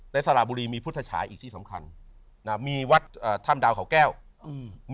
สระบุรีมีพุทธฉายอีกที่สำคัญนะมีวัดอ่าถ้ำดาวเขาแก้วอืม